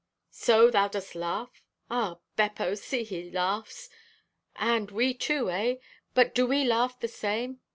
"So, thou dost laugh? Ah, Beppo, see, he laughs! And we too, eh? But do we laugh the same?